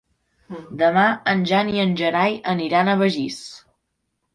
Demà en Jan i en Gerai aniran a Begís.